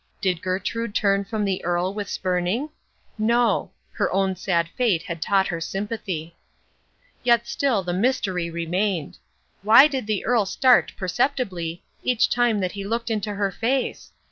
Did Gertrude turn from the Earl with spurning? No. Her own sad fate had taught her sympathy. Yet still the mystery remained! Why did the Earl start perceptibly each time that he looked into her face?